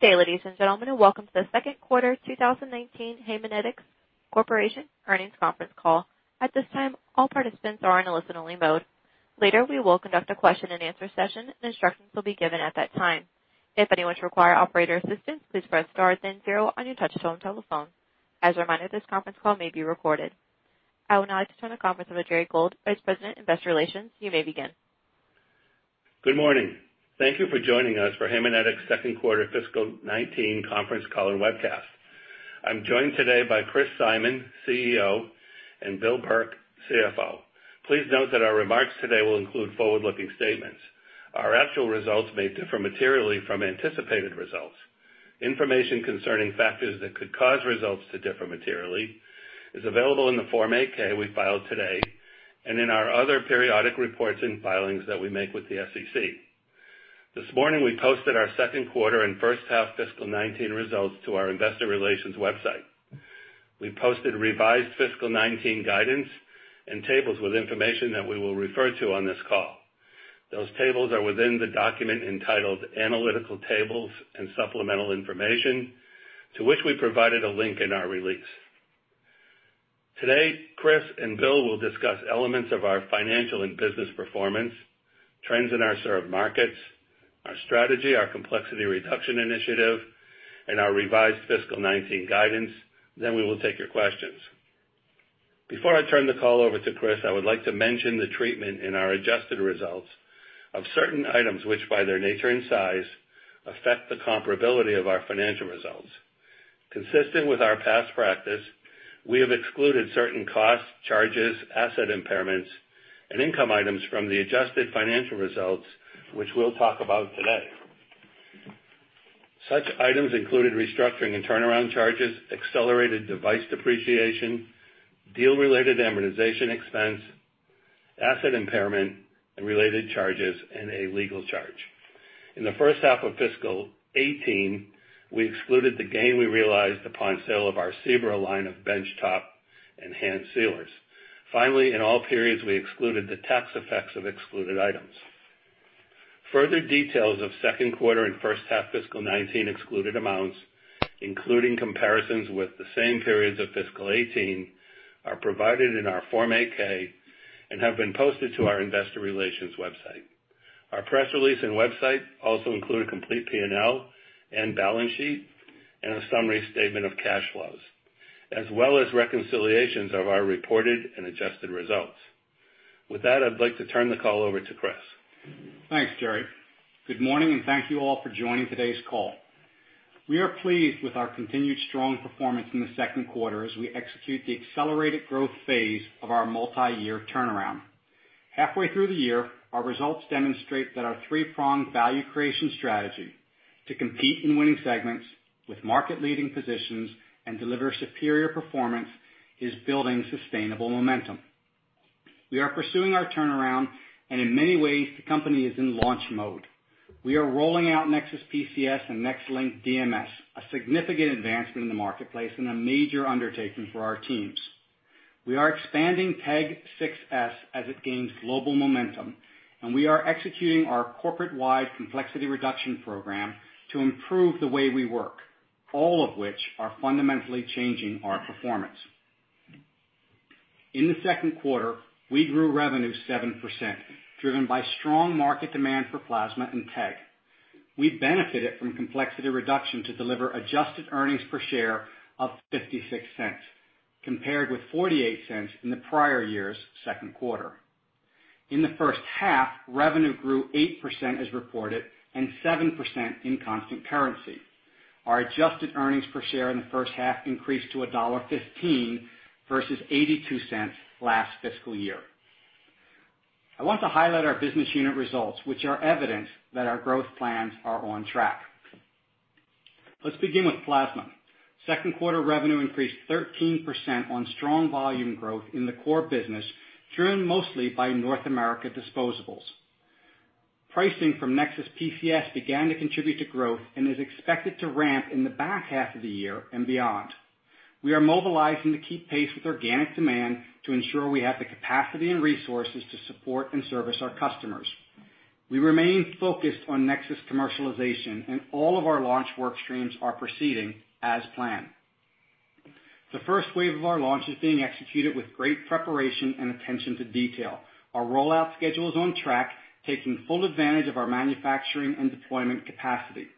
Good day, ladies and gentlemen, welcome to the second quarter 2019 Haemonetics Corporation earnings conference call. At this time, all participants are in a listen only mode. Later, we will conduct a question and answer session, instructions will be given at that time. If anyone should require operator assistance, please press star then zero on your touchtone telephone. As a reminder, this conference call may be recorded. I would now like to turn the conference over to Gerard Gould, vice president investor relations. You may begin. Good morning. Thank you for joining us for Haemonetics second quarter fiscal 2019 conference call webcast. I'm joined today by Christopher Simon, CEO, William Burke, CFO. Please note that our remarks today will include forward-looking statements. Our actual results may differ materially from anticipated results. Information concerning factors that could cause results to differ materially is available in the Form 8-K we filed today in our other periodic reports and filings that we make with the SEC. This morning, we posted our second quarter first-half fiscal 2019 results to our investor relations website. We posted revised fiscal 2019 guidance tables with information that we will refer to on this call. Those tables are within the document entitled Analytical Tables and Supplemental Information, to which we provided a link in our release. Today, Chris and Bill will discuss elements of our financial business performance, trends in our served markets, our strategy, our complexity reduction initiative, our revised fiscal 2019 guidance. We will take your questions. Before I turn the call over to Chris, I would like to mention the treatment in our adjusted results of certain items, which, by their nature and size, affect the comparability of our financial results. Consistent with our past practice, we have excluded certain costs, charges, asset impairments, income items from the adjusted financial results, which we'll talk about today. Such items included restructuring turnaround charges, accelerated device depreciation, deal-related amortization expense, asset impairment related charges, a legal charge. In the first half of fiscal 2018, we excluded the gain we realized upon sale of our Seabrook line of benchtop hand sealers. Finally, in all periods, we excluded the tax effects of excluded items. Further details of second quarter first-half fiscal 2019 excluded amounts, including comparisons with the same periods of fiscal 2018, are provided in our Form 8-K have been posted to our investor relations website. Our press release website also include a complete P&L balance sheet a summary statement of cash flows, as well as reconciliations of our reported and adjusted results. With that, I'd like to turn the call over to Chris. Thanks, Jerry. Good morning, and thank you all for joining today's call. We are pleased with our continued strong performance in the second quarter as we execute the accelerated growth phase of our multiyear turnaround. Halfway through the year, our results demonstrate that our three-pronged value creation strategy to compete in winning segments with market-leading positions and deliver superior performance is building sustainable momentum. We are pursuing our turnaround, and in many ways, the company is in launch mode. We are rolling out NexSys PCS and NexLynk DMS, a significant advancement in the marketplace and a major undertaking for our teams. We are expanding TEG 6s as it gains global momentum, and we are executing our corporate-wide complexity reduction program to improve the way we work, all of which are fundamentally changing our performance. In the second quarter, we grew revenue 7%, driven by strong market demand for plasma and TEG. We benefited from complexity reduction to deliver adjusted earnings per share of $0.56, compared with $0.48 in the prior year's second quarter. In the first half, revenue grew 8% as reported and 7% in constant currency. Our adjusted earnings per share in the first half increased to $1.15 versus $0.82 last fiscal year. I want to highlight our business unit results, which are evidence that our growth plans are on track. Let's begin with plasma. Second quarter revenue increased 13% on strong volume growth in the core business, driven mostly by North America disposables. Pricing from NexSys PCS began to contribute to growth and is expected to ramp in the back half of the year and beyond. We are mobilizing to keep pace with organic demand to ensure we have the capacity and resources to support and service our customers. We remain focused on NexSys commercialization, and all of our launch work streams are proceeding as planned. The first wave of our launch is being executed with great preparation and attention to detail. Our rollout schedule is on track, taking full advantage of our manufacturing and deployment capacity.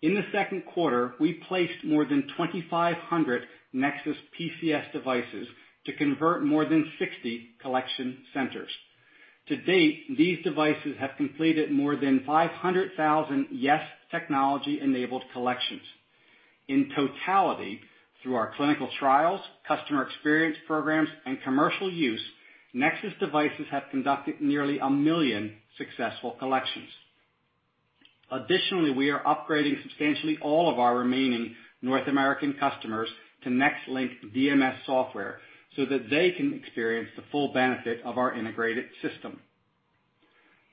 In the second quarter, we placed more than 2,500 NexSys PCS devices to convert more than 60 collection centers. To date, these devices have completed more than 500,000 YES Technology-enabled collections. In totality, through our clinical trials, customer experience programs, and commercial use, NexSys devices have conducted nearly 1 million successful collections. Additionally, we are upgrading substantially all of our remaining North American customers to NexLynk DMS software so that they can experience the full benefit of our integrated system.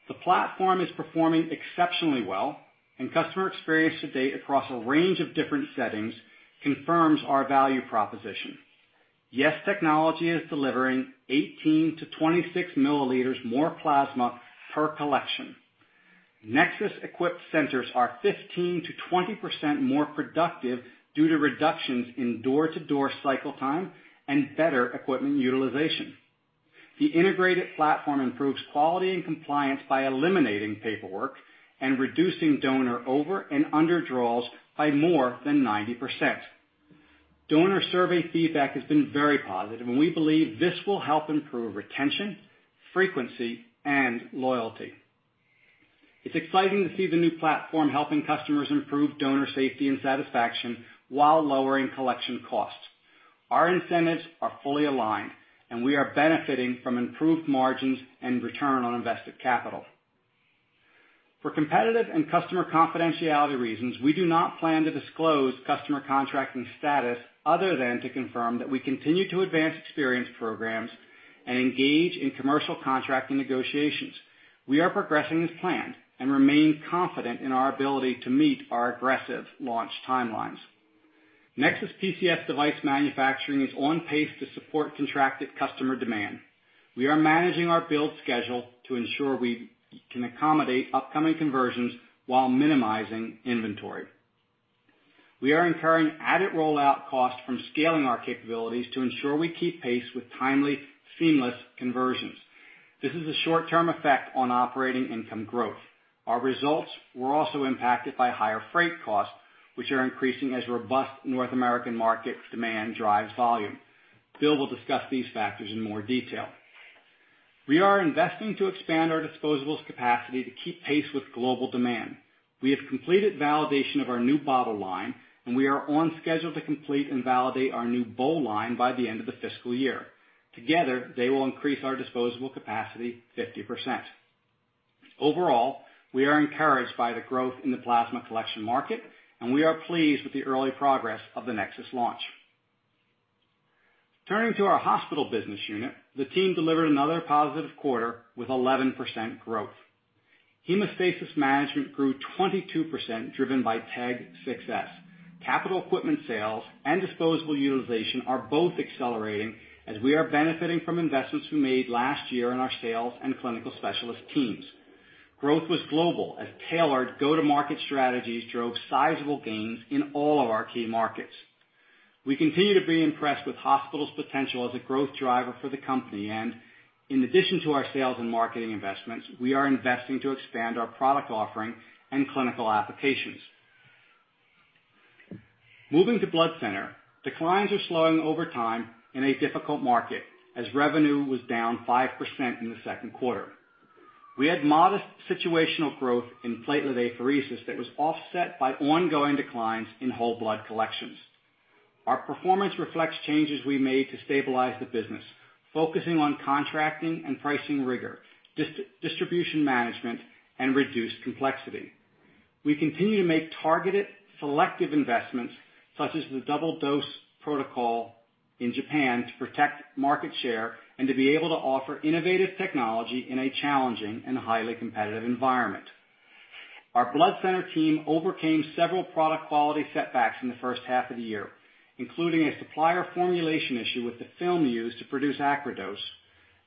The platform is performing exceptionally well, and customer experience to date across a range of different settings confirms our value proposition. YES Technology is delivering 18 to 26 milliliters more plasma per collection. NexSys-equipped centers are 15%-20% more productive due to reductions in door-to-door cycle time and better equipment utilization. The integrated platform improves quality and compliance by eliminating paperwork and reducing donor over and under draws by more than 90%. Donor survey feedback has been very positive, and we believe this will help improve retention, frequency, and loyalty. It's exciting to see the new platform helping customers improve donor safety and satisfaction while lowering collection costs. Our incentives are fully aligned, and we are benefiting from improved margins and return on invested capital. For competitive and customer confidentiality reasons, we do not plan to disclose customer contracting status other than to confirm that we continue to advance experience programs and engage in commercial contracting negotiations. We are progressing as planned and remain confident in our ability to meet our aggressive launch timelines. NexSys PCS device manufacturing is on pace to support contracted customer demand. We are managing our build schedule to ensure we can accommodate upcoming conversions while minimizing inventory. We are incurring added rollout costs from scaling our capabilities to ensure we keep pace with timely, seamless conversions. This is a short-term effect on operating income growth. Our results were also impacted by higher freight costs, which are increasing as robust North American market demand drives volume. Bill will discuss these factors in more detail. We are investing to expand our disposables capacity to keep pace with global demand. We have completed validation of our new bottle line, and we are on schedule to complete and validate our new bowl line by the end of the fiscal year. Together, they will increase our disposable capacity 50%. Overall, we are encouraged by the growth in the plasma collection market, and we are pleased with the early progress of the NexSys launch. Turning to our hospital business unit, the team delivered another positive quarter with 11% growth. Hemostasis Management grew 22%, driven by TEG 6s. Capital equipment sales and disposable utilization are both accelerating as we are benefiting from investments we made last year in our sales and clinical specialist teams. Growth was global as tailored go-to-market strategies drove sizable gains in all of our key markets. We continue to be impressed with hospital's potential as a growth driver for the company and in addition to our sales and marketing investments, we are investing to expand our product offering and clinical applications. Moving to blood center, declines are slowing over time in a difficult market as revenue was down 5% in the second quarter. We had modest situational growth in platelet apheresis that was offset by ongoing declines in whole blood collections. Our performance reflects changes we made to stabilize the business, focusing on contracting and pricing rigor, distribution management, and reduced complexity. We continue to make targeted, selective investments such as the double dose protocol in Japan to protect market share and to be able to offer innovative technology in a challenging and highly competitive environment. Our blood center team overcame several product quality setbacks in the first half of the year, including a supplier formulation issue with the film used to produce AcriDose,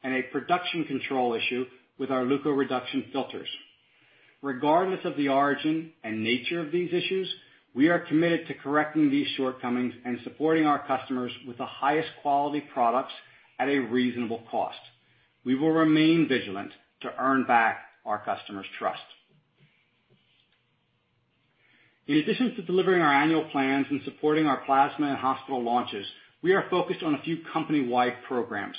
and a production control issue with our leukoreduction filters. Regardless of the origin and nature of these issues, we are committed to correcting these shortcomings and supporting our customers with the highest quality products at a reasonable cost. We will remain vigilant to earn back our customers' trust. In addition to delivering our annual plans and supporting our plasma and hospital launches, we are focused on a few company-wide programs.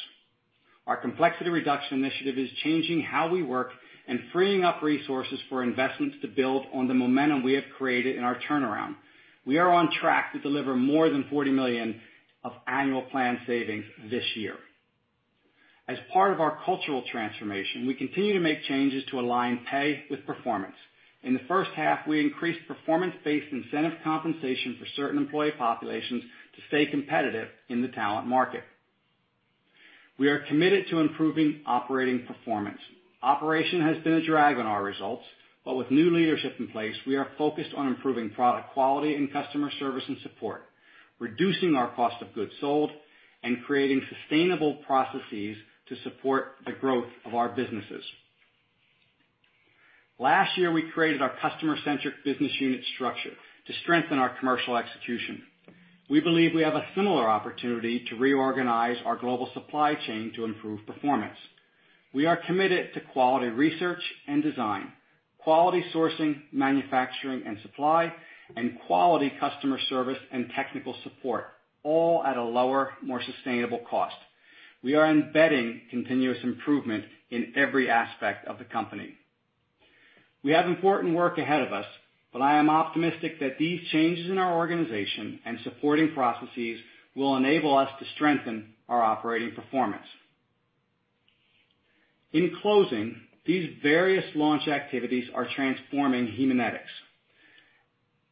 Our complexity reduction initiative is changing how we work and freeing up resources for investments to build on the momentum we have created in our turnaround. We are on track to deliver more than $40 million of annual plan savings this year. As part of our cultural transformation, we continue to make changes to align pay with performance. In the first half, we increased performance-based incentive compensation for certain employee populations to stay competitive in the talent market. We are committed to improving operating performance. Operations has been a drag on our results, but with new leadership in place, we are focused on improving product quality and customer service and support, reducing our cost of goods sold, and creating sustainable processes to support the growth of our businesses. Last year, we created our customer-centric business unit structure to strengthen our commercial execution. We believe we have a similar opportunity to reorganize our global supply chain to improve performance. We are committed to quality research and design, quality sourcing, manufacturing, and supply, and quality customer service and technical support, all at a lower, more sustainable cost. We are embedding continuous improvement in every aspect of the company. We have important work ahead of us, but I am optimistic that these changes in our organization and supporting processes will enable us to strengthen our operating performance. In closing, these various launch activities are transforming Haemonetics.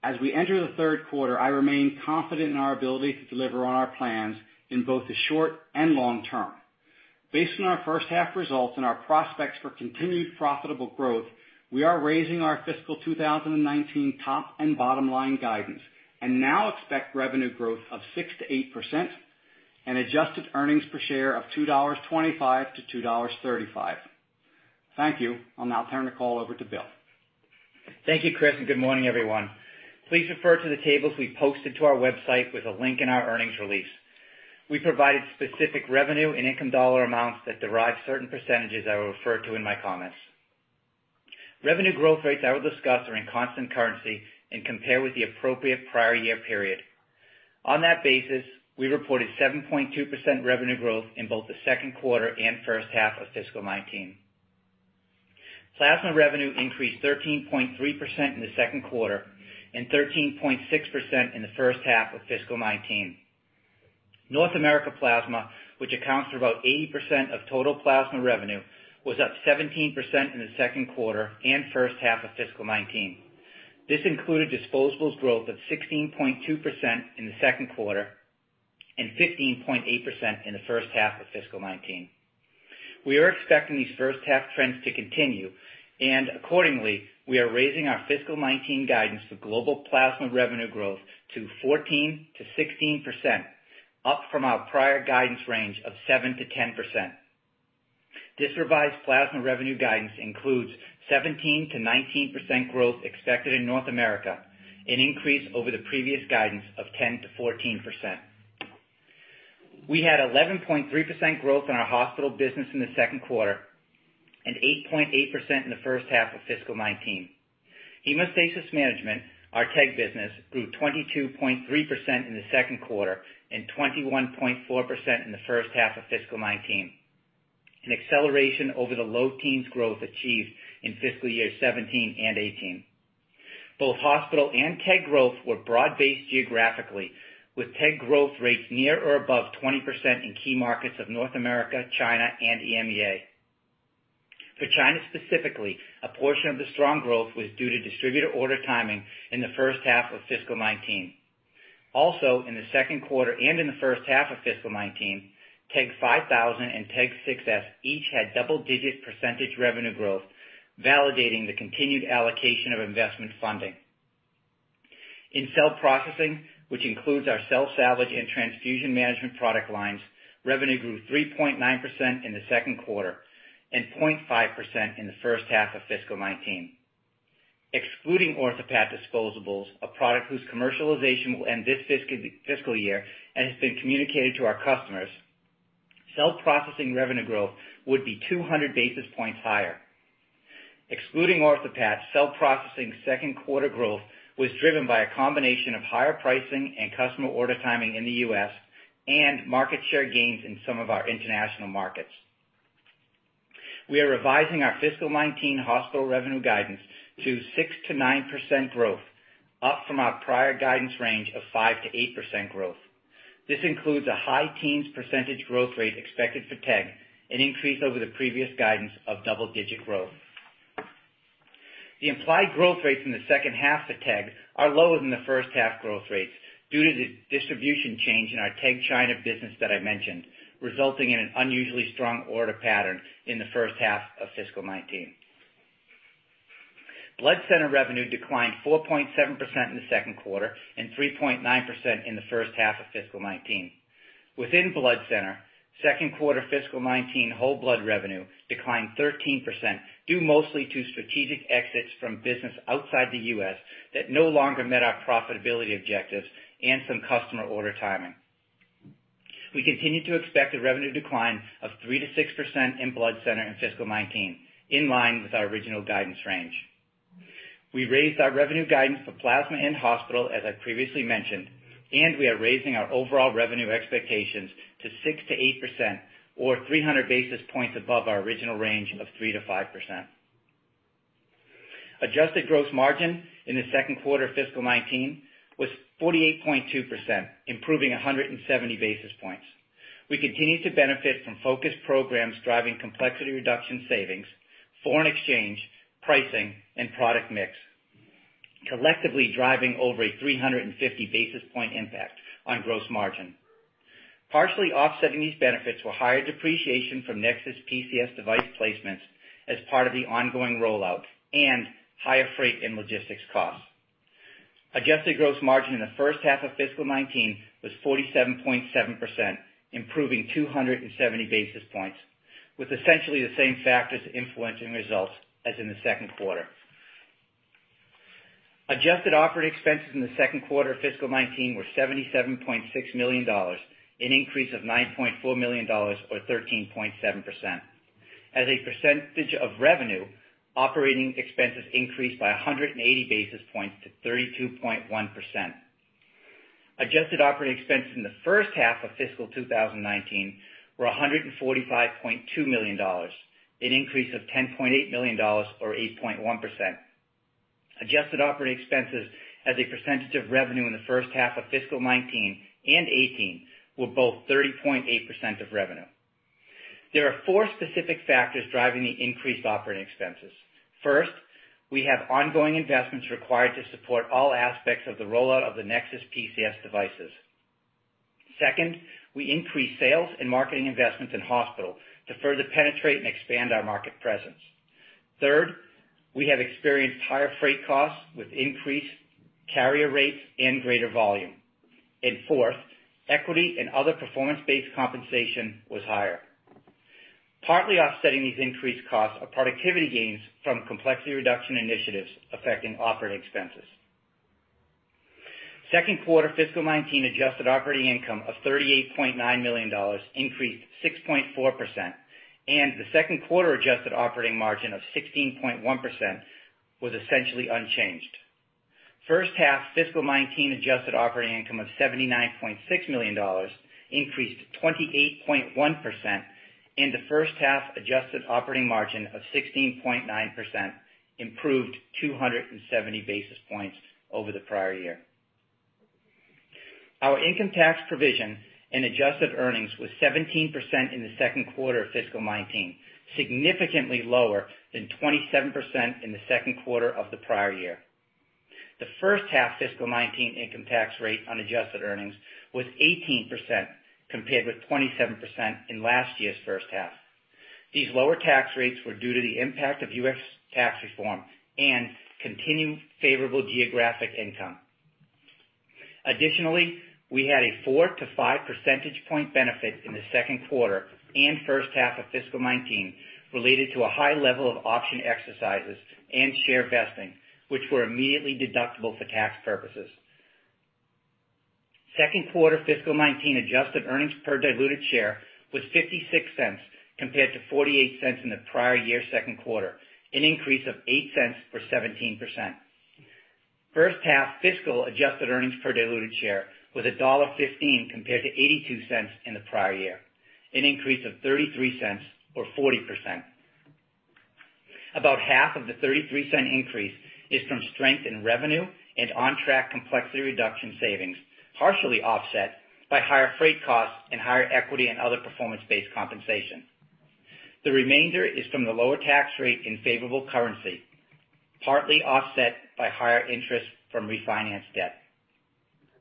As we enter the third quarter, I remain confident in our ability to deliver on our plans in both the short and long term. Based on our first-half results and our prospects for continued profitable growth, we are raising our fiscal 2019 top and bottom-line guidance, and now expect revenue growth of 6%-8% and adjusted earnings per share of $2.25-$2.35. Thank you. I'll now turn the call over to Bill. Thank you, Chris, and good morning, everyone. Please refer to the tables we posted to our website with a link in our earnings release. We provided specific revenue and income dollar amounts that derive certain percentages that I refer to in my comments. Revenue growth rates I will discuss are in constant currency and compare with the appropriate prior year period. On that basis, we reported 7.2% revenue growth in both the second quarter and first half of fiscal 2019. Plasma revenue increased 13.3% in the second quarter and 13.6% in the first half of fiscal 2019. North America plasma, which accounts for about 80% of total plasma revenue, was up 17% in the second quarter and first half of fiscal 2019. This included disposables growth of 16.2% in the second quarter and 15.8% in the first half of fiscal 2019. Accordingly, we are raising our fiscal 2019 guidance for global plasma revenue growth to 14%-16%, up from our prior guidance range of 7%-10%. This revised plasma revenue guidance includes 17%-19% growth expected in North America, an increase over the previous guidance of 10%-14%. We had 11.3% growth in our hospital business in the second quarter and 8.8% in the first half of fiscal 2019. Hemostasis Management, our TEG business, grew 22.3% in the second quarter and 21.4% in the first half of fiscal 2019, an acceleration over the low teens growth achieved in fiscal year 2017 and 2018. Both hospital and TEG growth were broad-based geographically, with TEG growth rates near or above 20% in key markets of North America, China, and EMEA. For China specifically, a portion of the strong growth was due to distributor order timing in the first half of fiscal 2019. Also, in the second quarter and in the first half of fiscal 2019, TEG 5000 and TEG 6s each had double-digit percentage revenue growth, validating the continued allocation of investment funding. In Cell Processing, which includes our Cell Saver and Transfusion Management product lines, revenue grew 3.9% in the second quarter and 0.5% in the first half of fiscal 2019. Excluding OrthoPat disposables, a product whose commercialization will end this fiscal year and has been communicated to our customers, Cell Processing revenue growth would be 200 basis points higher. Excluding OrthoPat, Cell Processing second quarter growth was driven by a combination of higher pricing and customer order timing in the U.S. and market share gains in some of our international markets. We are revising our fiscal 2019 hospital revenue guidance to 6%-9% growth, up from our prior guidance range of 5%-8% growth. This includes a high teens percentage growth rate expected for TEG, an increase over the previous guidance of double-digit growth. The implied growth rates in the second half of TEG are lower than the first half growth rates due to the distribution change in our TEG China business that I mentioned, resulting in an unusually strong order pattern in the first half of fiscal 2019. Blood center revenue declined 4.7% in the second quarter and 3.9% in the first half of fiscal 2019. Within blood center, second quarter fiscal 2019 whole blood revenue declined 13%, due mostly to strategic exits from business outside the U.S. that no longer met our profitability objectives and some customer order timing. We continue to expect a revenue decline of 3%-6% in blood center in fiscal 2019, in line with our original guidance range. We raised our revenue guidance for plasma and hospital, as I previously mentioned, and we are raising our overall revenue expectations to 6%-8%, or 300 basis points above our original range of 3%-5%. Adjusted gross margin in the second quarter of fiscal 2019 was 48.2%, improving 170 basis points. We continue to benefit from focused programs driving complexity reduction savings, foreign exchange, pricing, and product mix, collectively driving over a 350 basis point impact on gross margin. Partially offsetting these benefits were higher depreciation from NexSys PCS device placements as part of the ongoing rollout and higher freight and logistics costs. Adjusted gross margin in the first half of fiscal 2019 was 47.7%, improving 270 basis points, with essentially the same factors influencing results as in the second quarter. Adjusted operating expenses in the second quarter of fiscal 2019 were $77.6 million, an increase of $9.4 million or 13.7%. As a percentage of revenue, operating expenses increased by 180 basis points to 32.1%. Adjusted operating expenses in the first half of fiscal 2019 were $145.2 million, an increase of $10.8 million or 8.1%. Adjusted operating expenses as a percentage of revenue in the first half of fiscal 2019 and 2018 were both 30.8% of revenue. There are four specific factors driving the increased operating expenses. First, we have ongoing investments required to support all aspects of the rollout of the NexSys PCS devices. Second, we increase sales and marketing investments in hospital to further penetrate and expand our market presence. Third, we have experienced higher freight costs with increased carrier rates and greater volume. Fourth, equity and other performance-based compensation was higher. Partly offsetting these increased costs are productivity gains from complexity reduction initiatives affecting operating expenses. Second quarter fiscal 2019 adjusted operating income of $38.9 million increased 6.4%, and the second quarter adjusted operating margin of 16.1% was essentially unchanged. First half fiscal 2019 adjusted operating income of $79.6 million increased 28.1%, and the first half adjusted operating margin of 16.9% improved 270 basis points over the prior year. Our income tax provision and adjusted earnings was 17% in the second quarter of fiscal 2019, significantly lower than 27% in the second quarter of the prior year. The first half fiscal 2019 income tax rate on adjusted earnings was 18%, compared with 27% in last year's first half. These lower tax rates were due to the impact of U.S. tax reform and continuing favorable geographic income. Additionally, we had a 4 to 5 percentage point benefit in the second quarter and first half of fiscal 2019 related to a high level of option exercises and share vesting, which were immediately deductible for tax purposes. Second quarter fiscal 2019 adjusted earnings per diluted share was $0.56 compared to $0.48 in the prior year second quarter, an increase of $0.08 or 17%. First half fiscal 2019 adjusted earnings per diluted share was $1.15 compared to $0.82 in the prior year, an increase of $0.33 or 40%. About half of the $0.33 increase is from strength in revenue and on-track complexity reduction savings, partially offset by higher freight costs and higher equity and other performance-based compensation. The remainder is from the lower tax rate in favorable currency, partly offset by higher interest from refinanced debt.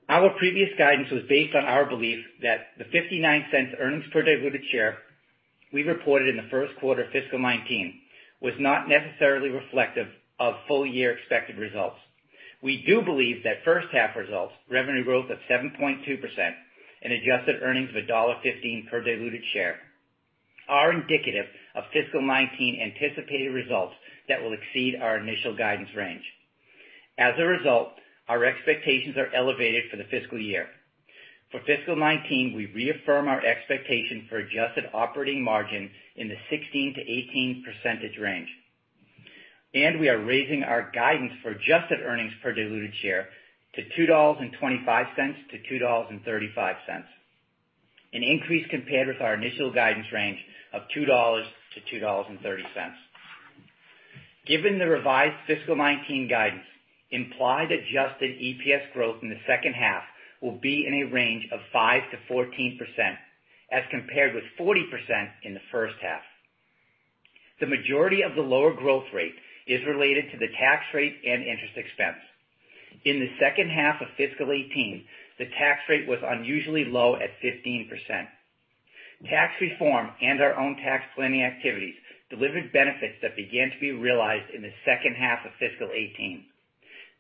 Our previous guidance was based on our belief that the $0.59 earnings per diluted share we reported in the first quarter of fiscal 2019 was not necessarily reflective of full year expected results. We do believe that first half results, revenue growth of 7.2% and adjusted earnings of $1.15 per diluted share, are indicative of fiscal 2019 anticipated results that will exceed our initial guidance range. As a result, our expectations are elevated for the fiscal year. For fiscal 2019, we reaffirm our expectation for adjusted operating margin in the 16%-18% range, and we are raising our guidance for adjusted earnings per diluted share to $2.25-$2.35, an increase compared with our initial guidance range of $2.00-$2.30. Given the revised fiscal 2019 guidance, implied adjusted EPS growth in the second half will be in a range of 5%-14%, as compared with 40% in the first half. The majority of the lower growth rate is related to the tax rate and interest expense. In the second half of fiscal 2018, the tax rate was unusually low at 15%. Tax reform and our own tax planning activities delivered benefits that began to be realized in the second half of fiscal 2018.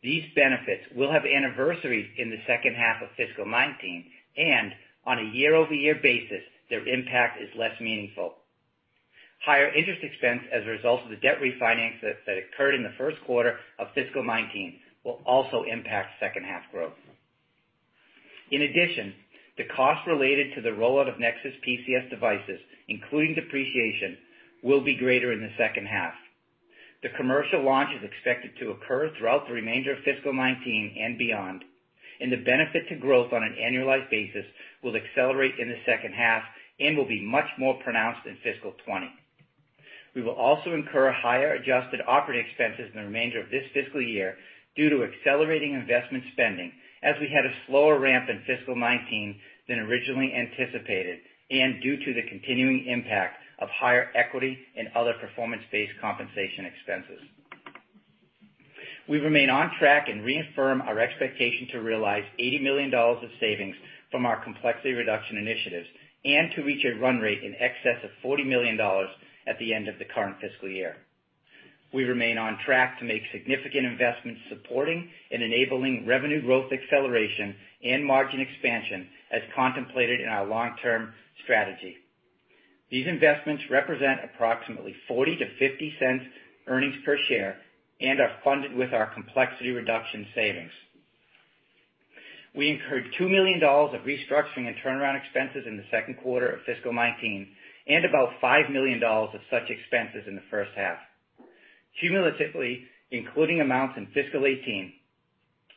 These benefits will have anniversaries in the second half of fiscal 2019, and on a year-over-year basis, their impact is less meaningful. Higher interest expense as a result of the debt refinance that occurred in the first quarter of fiscal 2019 will also impact second half growth. In addition, the cost related to the rollout of NexSys PCS devices, including depreciation, will be greater in the second half. The commercial launch is expected to occur throughout the remainder of fiscal 2019 and beyond, and the benefit to growth on an annualized basis will accelerate in the second half and will be much more pronounced in fiscal 2020. We will also incur higher adjusted operating expenses in the remainder of this fiscal year due to accelerating investment spending as we had a slower ramp in fiscal 2019 than originally anticipated, and due to the continuing impact of higher equity and other performance-based compensation expenses. We remain on track and reaffirm our expectation to realize $80 million of savings from our complexity reduction initiatives and to reach a run rate in excess of $40 million at the end of the current fiscal year. We remain on track to make significant investments supporting and enabling revenue growth acceleration and margin expansion as contemplated in our long-term strategy. These investments represent approximately $0.40-$0.50 earnings per share and are funded with our complexity reduction savings. We incurred $2 million of restructuring and turnaround expenses in the second quarter of fiscal 2019, and about $5 million of such expenses in the first half. Cumulatively, including amounts in fiscal 2018,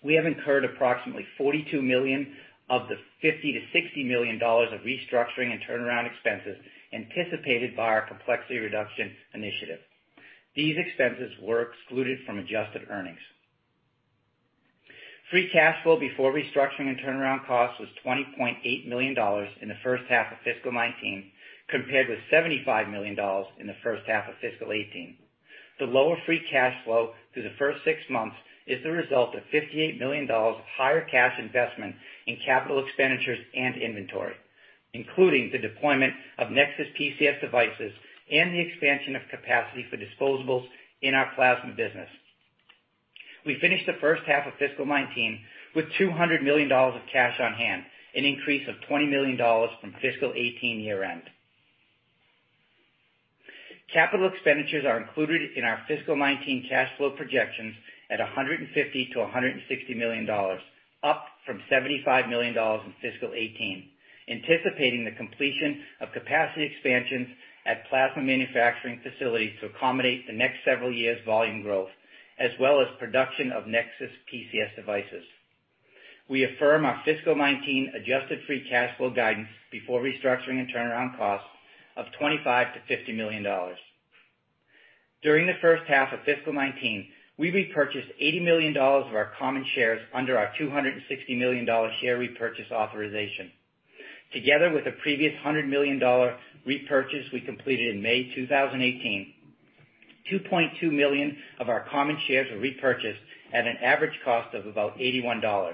we have incurred approximately $42 million of the $50 million-$60 million of restructuring and turnaround expenses anticipated by our complexity reduction initiative. These expenses were excluded from adjusted earnings. Free cash flow before restructuring and turnaround costs was $20.8 million in the first half of fiscal 2019, compared with $75 million in the first half of fiscal 2018. The lower free cash flow through the first six months is the result of $58 million of higher cash investment in capital expenditures and inventory, including the deployment of NexSys PCS devices and the expansion of capacity for disposables in our plasma business. We finished the first half of fiscal 2019 with $200 million of cash on hand, an increase of $20 million from fiscal 2018 year-end. Capital expenditures are included in our fiscal 2019 cash flow projections at $150 million-$160 million, up from $75 million in fiscal 2018, anticipating the completion of capacity expansions at plasma manufacturing facilities to accommodate the next several years' volume growth, as well as production of NexSys PCS devices. We affirm our fiscal 2019 adjusted free cash flow guidance before restructuring and turnaround costs of $25 million-$50 million. During the first half of fiscal 2019, we repurchased $80 million of our common shares under our $260 million share repurchase authorization. Together with the previous $100 million repurchase we completed in May 2018, 2.2 million of our common shares were repurchased at an average cost of about $81.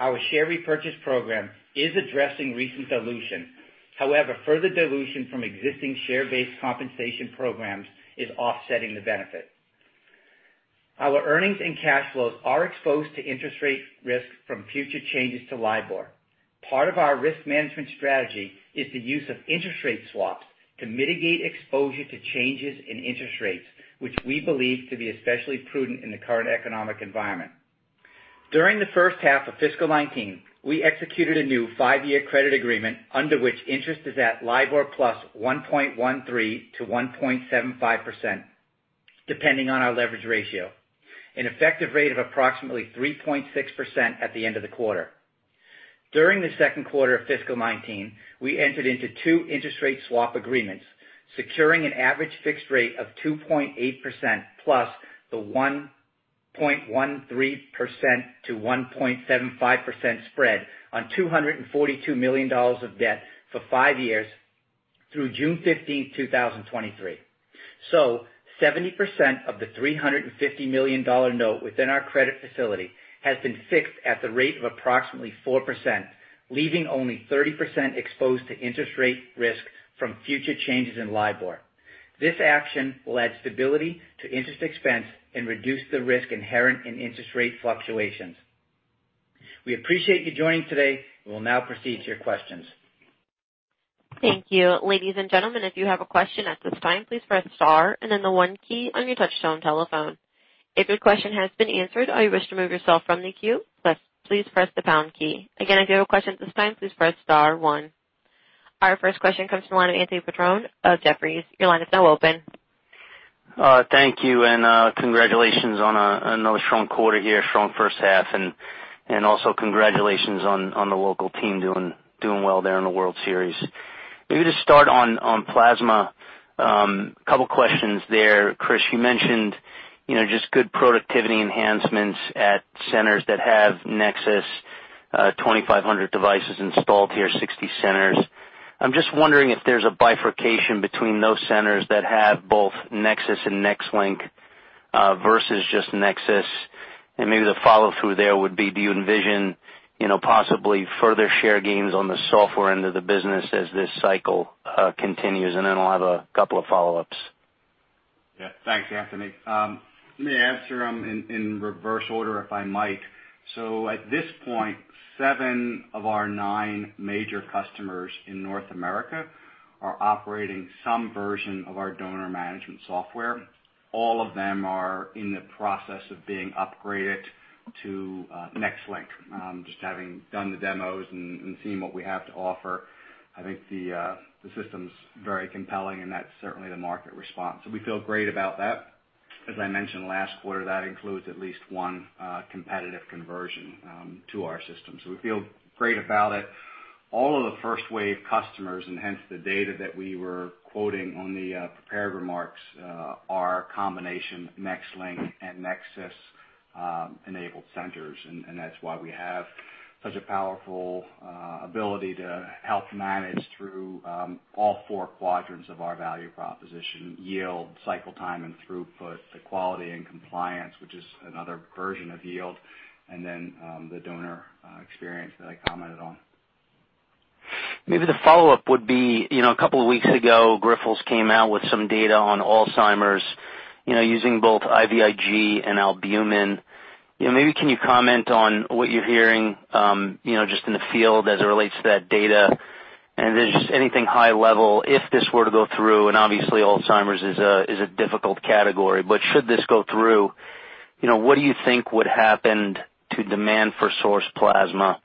Our share repurchase program is addressing recent dilution. However, further dilution from existing share-based compensation programs is offsetting the benefit. Our earnings and cash flows are exposed to interest rate risk from future changes to LIBOR. Part of our risk management strategy is the use of interest rate swaps to mitigate exposure to changes in interest rates, which we believe to be especially prudent in the current economic environment. During the first half of fiscal 2019, we executed a new five-year credit agreement under which interest is at LIBOR plus 1.13%-1.75%, depending on our leverage ratio, an effective rate of approximately 3.6% at the end of the quarter. During the second quarter of fiscal 2019, we entered into two interest rate swap agreements, securing an average fixed rate of 2.8% plus the 1.13%-1.75% spread on $242 million of debt for five years through June 15th, 2023. 70% of the $350 million note within our credit facility has been fixed at the rate of approximately 4%, leaving only 30% exposed to interest rate risk from future changes in LIBOR. This action will add stability to interest expense and reduce the risk inherent in interest rate fluctuations. We appreciate you joining today and we'll now proceed to your questions. Thank you. Ladies and gentlemen, if you have a question at this time, please press star and then the one key on your touchtone telephone. If your question has been answered or you wish to remove yourself from the queue, please press the pound key. Again, if you have a question at this time, please press star one. Our first question comes from the line of Anthony Petrone of Jefferies. Your line is now open. Thank you, and congratulations on another strong quarter here, strong first half, and also congratulations on the local team doing well there in the World Series. Maybe just start on plasma. A couple of questions there. Chris, you mentioned just good productivity enhancements at centers that have NexSys 2500 devices installed here, 60 centers. I'm just wondering if there's a bifurcation between those centers that have both NexSys and NexLynk, versus just NexSys. Maybe the follow-through there would be, do you envision possibly further share gains on the software end of the business as this cycle continues? Then I'll have a couple of follow-ups. Thanks, Anthony. Let me answer them in reverse order, if I might. At this point, seven of our nine major customers in North America are operating some version of our donor management software. All of them are in the process of being upgraded to NexLynk. Just having done the demos and seen what we have to offer, I think the system's very compelling, and that's certainly the market response. We feel great about that. As I mentioned last quarter, that includes at least one competitive conversion to our system. We feel great about it. All of the first wave customers, hence the data that we were quoting on the prepared remarks, are a combination of NexLynk and NexSys-enabled centers. That's why we have such a powerful ability to help manage through all four quadrants of our value proposition, yield, cycle time, and throughput to quality and compliance, which is another version of yield. Then the donor experience that I commented on. Maybe the follow-up would be, a couple of weeks ago, Grifols came out with some data on Alzheimer's using both IVIG and albumin. Maybe can you comment on what you're hearing just in the field as it relates to that data? Then just anything high level, if this were to go through, and obviously Alzheimer's is a difficult category, but should this go through, what do you think would happen to demand for source plasma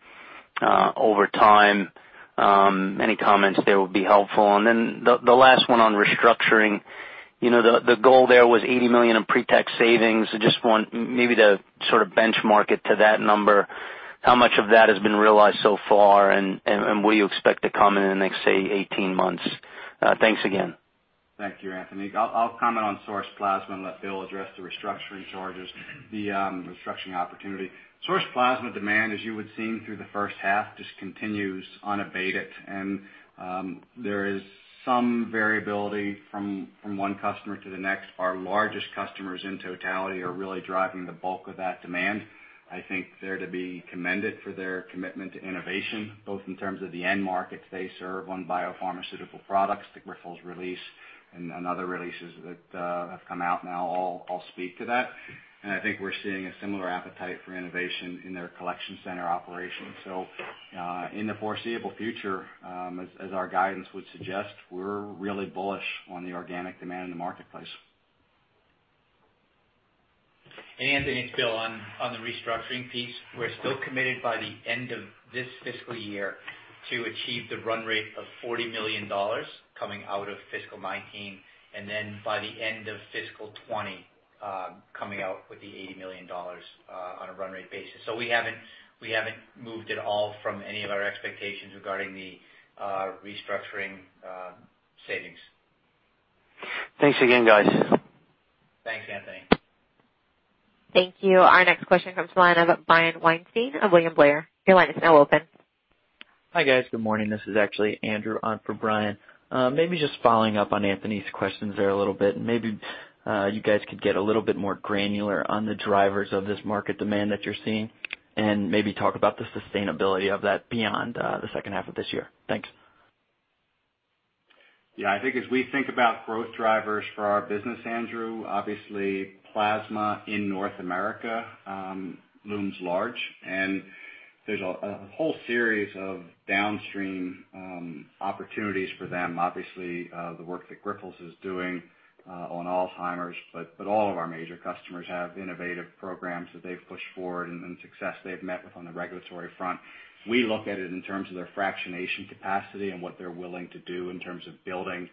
over time? Any comments there would be helpful. Then the last one on restructuring. The goal there was $80 million in pre-tax savings. I just want maybe to sort of benchmark it to that number. How much of that has been realized so far, and what do you expect to come in the next, say, 18 months? Thanks again. Thank you, Anthony. I'll comment on source plasma and let Bill address the restructuring charges, the restructuring opportunity. Source plasma demand, as you would seem through the first half, just continues unabated. There is some variability from one customer to the next. Our largest customers in totality are really driving the bulk of that demand. I think they're to be commended for their commitment to innovation, both in terms of the end markets they serve on biopharmaceutical products, the Grifols release, and other releases that have come out now all speak to that. I think we're seeing a similar appetite for innovation in their collection center operations. In the foreseeable future, as our guidance would suggest, we're really bullish on the organic demand in the marketplace. Anthony, it's Bill. On the restructuring piece, we're still committed by the end of this fiscal year to achieve the run rate of $40 million coming out of fiscal 2019. Then by the end of fiscal 2020, coming out with the $80 million, on a run rate basis. We haven't moved at all from any of our expectations regarding the restructuring savings. Thanks again, guys. Thanks, Anthony. Thank you. Our next question comes from the line of Brian Weinstein of William Blair. Your line is now open. Hi, guys. Good morning. This is actually Andrew on for Brian. Maybe just following up on Anthony's questions there a little bit, and maybe you guys could get a little bit more granular on the drivers of this market demand that you're seeing, and maybe talk about the sustainability of that beyond the second half of this year. Thanks. I think as we think about growth drivers for our business, Andrew, obviously plasma in North America looms large. There's a whole series of downstream opportunities for them. Obviously, the work that Grifols is doing on Alzheimer's. All of our major customers have innovative programs that they've pushed forward and success they've met with on the regulatory front. We look at it in terms of their fractionation capacity and what they're willing to do in terms of building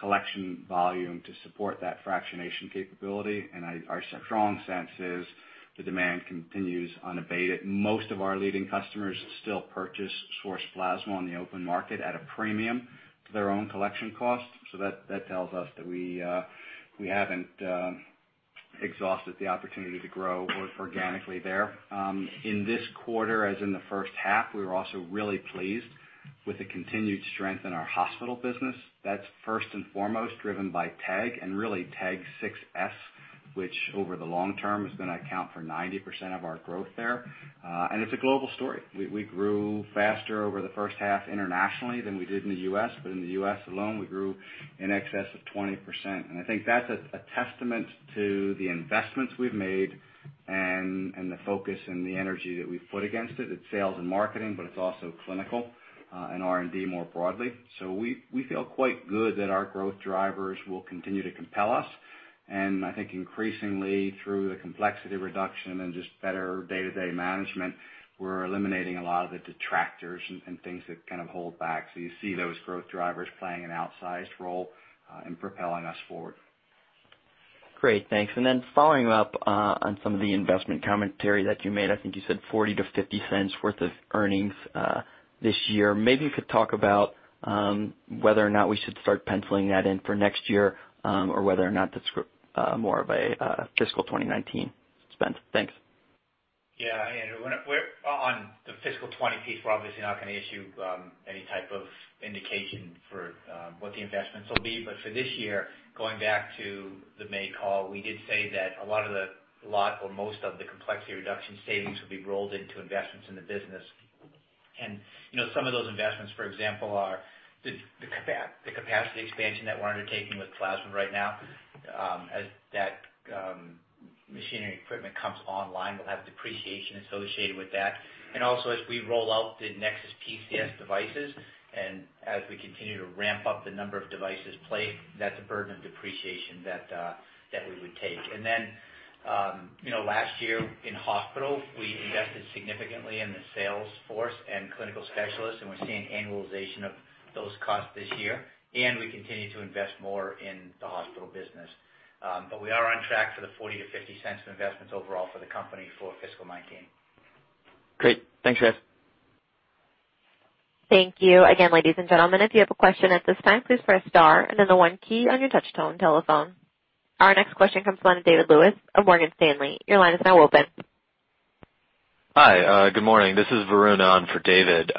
collection volume to support that fractionation capability. Our strong sense is the demand continues unabated. Most of our leading customers still purchase source plasma on the open market at a premium to their own collection costs. That tells us that we haven't exhausted the opportunity to grow organically there. In this quarter, as in the first half, we were also really pleased with the continued strength in our hospital business. That's first and foremost driven by TEG and really TEG 6s, which over the long term is going to account for 90% of our growth there. It's a global story. We grew faster over the first half internationally than we did in the U.S., but in the U.S. alone, we grew in excess of 20%. I think that's a testament to the investments we've made and the focus and the energy that we've put against it. It's sales and marketing, but it's also clinical, and R&D more broadly. We feel quite good that our growth drivers will continue to compel us. I think increasingly through the complexity reduction and just better day-to-day management, we're eliminating a lot of the detractors and things that kind of hold back. You see those growth drivers playing an outsized role in propelling us forward. Great. Thanks. Then following up on some of the investment commentary that you made, I think you said $0.40-$0.50 worth of earnings this year. Maybe you could talk about whether or not we should start penciling that in for next year, or whether or not that's more of a fiscal 2019 spend. Thanks. Yeah. Andrew, on the fiscal 2020 piece, we're obviously not going to issue any type of indication for what the investments will be. For this year, going back to the May call, we did say that a lot or most of the complexity reduction savings will be rolled into investments in the business. Some of those investments, for example, are the capacity expansion that we're undertaking with plasma right now. As that machinery equipment comes online, we'll have depreciation associated with that. Also, as we roll out the NexSys PCS devices and as we continue to ramp up the number of devices played, that's a burden of depreciation that we would take. Then, last year in hospital, we invested significantly in the sales force and clinical specialists, and we're seeing annualization of those costs this year. We continue to invest more in the hospital business. We are on track for the $0.40-$0.50 of investments overall for the company for fiscal 2019. Great. Thanks, guys. Thank you. Again, ladies and gentlemen, if you have a question at this time, please press star and the one key on your touch-tone telephone. Our next question comes from the line of David Lewis of Morgan Stanley. Your line is now open. Hi, good morning. This is Varun on for David.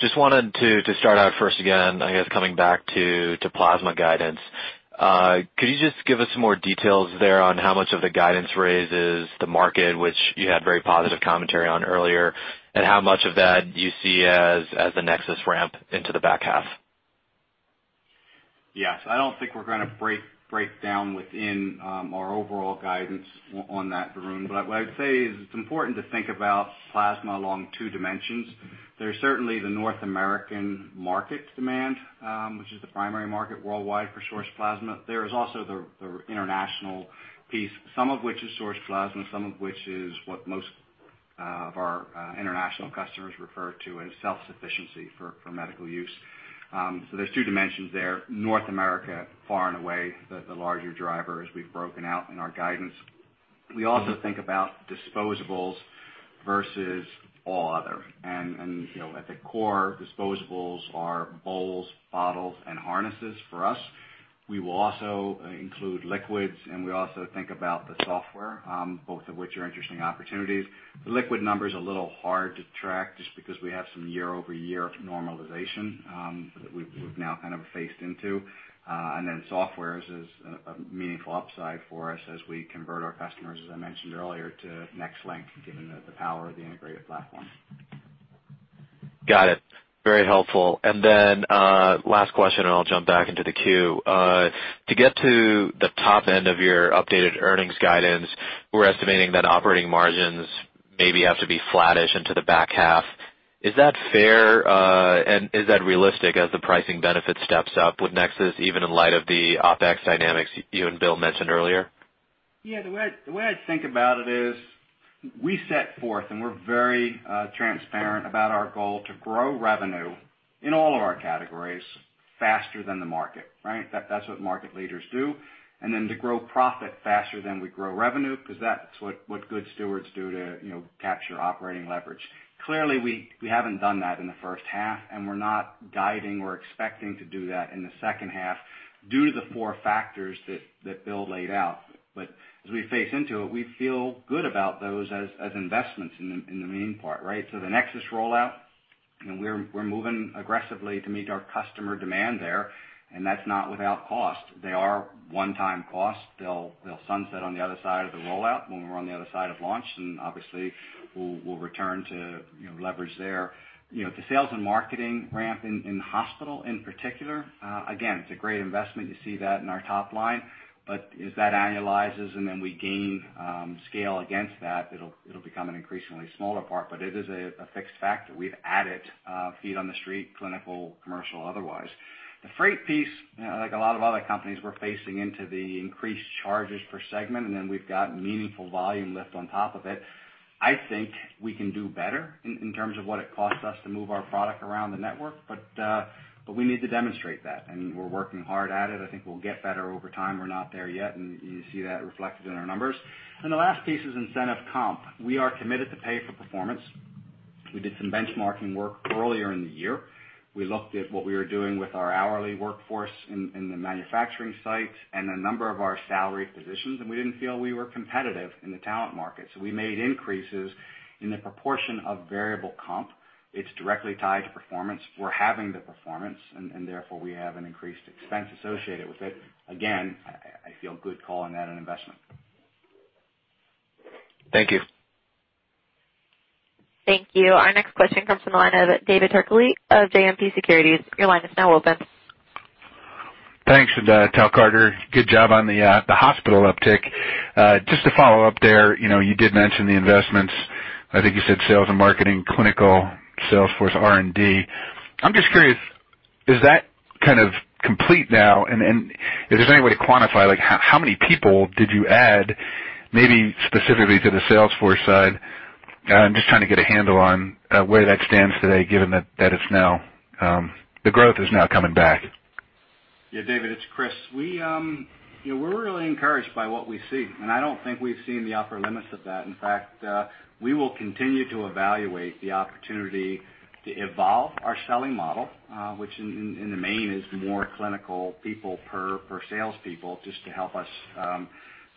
Just wanted to start out first again, I guess coming back to plasma guidance. Could you just give us some more details there on how much of the guidance raise is the market, which you had very positive commentary on earlier, and how much of that you see as the NexSys ramp into the back half? Yes, I don't think we're going to break down within our overall guidance on that, Varun. What I would say is it's important to think about plasma along two dimensions. There's certainly the North American market demand, which is the primary market worldwide for source plasma. There is also the international piece, some of which is source plasma, some of which is what most of our international customers refer to as self-sufficiency for medical use. There's two dimensions there. North America, far and away, the larger driver as we've broken out in our guidance. We also think about disposables versus all other. At the core, disposables are bowls, bottles, and harnesses for us. We will also include liquids, and we also think about the software, both of which are interesting opportunities. The liquid number's a little hard to track just because we have some year-over-year normalization that we've now kind of phased into. Software is a meaningful upside for us as we convert our customers, as I mentioned earlier, to NexLynk, given the power of the integrated platform. Got it. Very helpful. Last question, and I'll jump back into the queue. To get to the top end of your updated earnings guidance, we're estimating that operating margins maybe have to be flattish into the back half. Is that fair, and is that realistic as the pricing benefit steps up with NexSys, even in light of the OpEx dynamics you and Bill mentioned earlier? Yeah, the way I think about it is, we set forth, and we're very transparent about our goal to grow revenue in all of our categories faster than the market, right? That's what market leaders do. To grow profit faster than we grow revenue, because that's what good stewards do to capture operating leverage. Clearly, we haven't done that in the first half, and we're not guiding or expecting to do that in the second half due to the four factors that Bill laid out. As we phase into it, we feel good about those as investments in the main part, right? The NexSys rollout, we're moving aggressively to meet our customer demand there, and that's not without cost. They are one-time costs. They'll sunset on the other side of the rollout when we're on the other side of launch, and obviously, we'll return to leverage there. The sales and marketing ramp in hospital, in particular, again, it's a great investment to see that in our top line. As that annualizes and then we gain scale against that, it'll become an increasingly smaller part, but it is a fixed factor. We've added feet on the street, clinical, commercial, otherwise. The freight piece, like a lot of other companies, we're phasing into the increased charges per segment, and then we've got meaningful volume lift on top of it. I think we can do better in terms of what it costs us to move our product around the network. We need to demonstrate that, and we're working hard at it. I think we'll get better over time. We're not there yet, and you see that reflected in our numbers. The last piece is incentive comp. We are committed to pay for performance. We did some benchmarking work earlier in the year. We looked at what we were doing with our hourly workforce in the manufacturing sites and a number of our salary positions, and we didn't feel we were competitive in the talent market. We made increases in the proportion of variable comp. It's directly tied to performance. We're having the performance, and therefore, we have an increased expense associated with it. Again, I feel good calling that an investment. Thank you. Thank you. Our next question comes from the line of David Turkaly of JMP Securities. Your line is now open. Thanks. Tell Carter good job on the hospital uptick. Just to follow up there, you did mention the investments. I think you said sales and marketing, clinical, sales force, R&D. I'm just curious, is that kind of complete now? If there's any way to quantify, how many people did you add, maybe specifically to the sales force side? I'm just trying to get a handle on where that stands today, given that the growth is now coming back. Yeah, David, it's Chris. We're really encouraged by what we see. I don't think we've seen the upper limits of that. In fact, we will continue to evaluate the opportunity to evolve our selling model, which in the main is more clinical people per salespeople, just to help us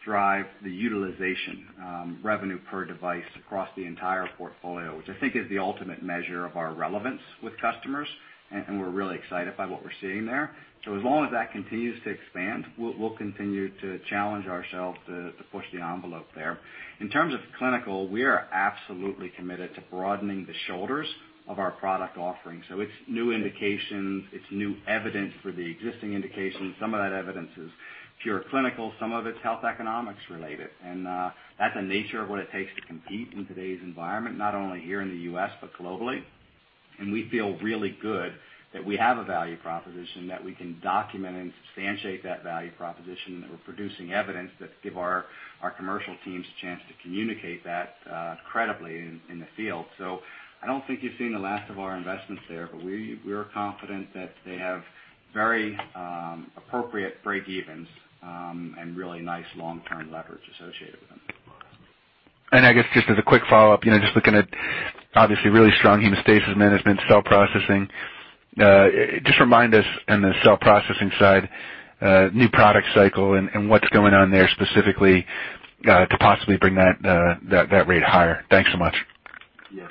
drive the utilization revenue per device across the entire portfolio, which I think is the ultimate measure of our relevance with customers. We're really excited by what we're seeing there. As long as that continues to expand, we'll continue to challenge ourselves to push the envelope there. In terms of clinical, we are absolutely committed to broadening the shoulders of our product offering. It's new indications, it's new evidence for the existing indications. Some of that evidence is pure clinical, some of it's health economics related. That's the nature of what it takes to compete in today's environment, not only here in the U.S., but globally. We feel really good that we have a value proposition that we can document and substantiate that value proposition, that we're producing evidence that give our commercial teams a chance to communicate that credibly in the field. I don't think you've seen the last of our investments there, but we are confident that they have very appropriate break evens, and really nice long-term leverage associated with them. I guess just as a quick follow-up, just looking at obviously really strong Hemostasis Management, cell processing. Just remind us in the cell processing side, new product cycle and what's going on there specifically, to possibly bring that rate higher. Thanks so much.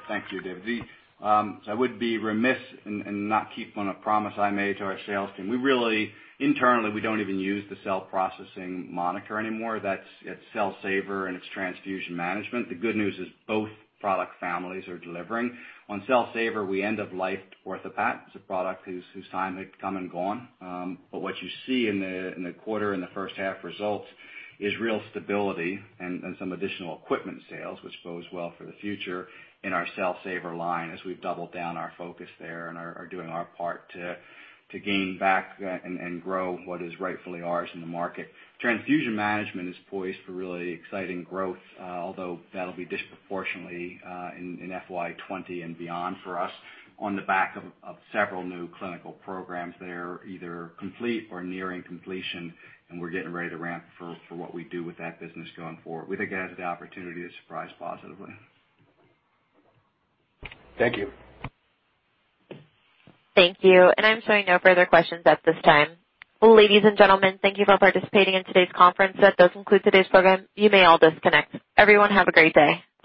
Thank you, David. I would be remiss in not keeping a promise I made to our sales team. Internally, we don't even use the cell processing moniker anymore. That's its Cell Saver and it's Transfusion Management. The good news is both product families are delivering. On Cell Saver, we end of life OrthoPat. It's a product whose time had come and gone. What you see in the quarter, in the first half results is real stability and some additional equipment sales, which bodes well for the future in our Cell Saver line as we've doubled down our focus there and are doing our part to gain back and grow what is rightfully ours in the market. Transfusion Management is poised for really exciting growth, although that'll be disproportionately in FY 2020 and beyond for us on the back of several new clinical programs that are either complete or nearing completion. We're getting ready to ramp for what we do with that business going forward. We think it has the opportunity to surprise positively. Thank you. Thank you. I'm showing no further questions at this time. Ladies and gentlemen, thank you for participating in today's conference. That does conclude today's program. You may all disconnect. Everyone have a great day.